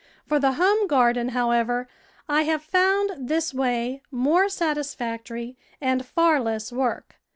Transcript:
For the home garden, however, I have found this way more satisfactory and far less w^ork.